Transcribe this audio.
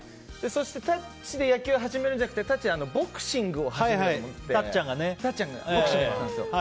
「タッチ」で野球を始めるんじゃなくて「タッチ」でボクシングを始めようと思ってたっちゃんがボクシングやってたので。